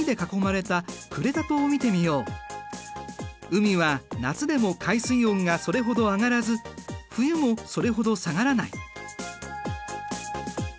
海は夏でも海水温がそれほど上がらず冬もそれほど下がらない。